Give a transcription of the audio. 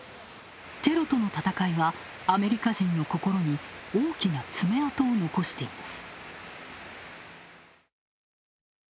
テロとの戦いはアメリカ人の心に大きな爪痕を残しています。